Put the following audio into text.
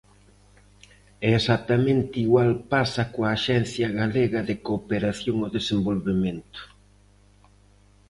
E exactamente igual pasa coa Axencia Galega de Cooperación ao Desenvovemento.